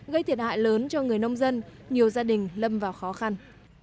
gây thiệt hại lớn cho người nông dân nhiều gia đình lâm vào khó khăn